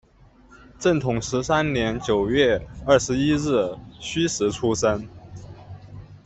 正统十三年九月二十一日戌时出生。